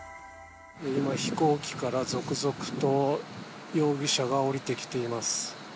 今、飛行機から続々と容疑者が降りてきています。